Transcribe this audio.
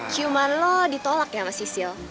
ciuman lo ditolak ya sama si sil